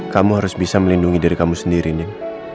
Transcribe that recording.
kamu harus bisa melindungi diri kamu sendiri nih